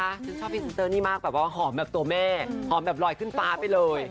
ฉันชอบพรีเซนเตอร์นี่มากแบบว่าหอมแบบตัวแม่หอมแบบลอยขึ้นฟ้าไปเลย